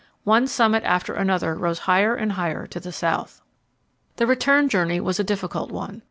One summit after another rose higher and higher to the south. The return journey was a difficult one.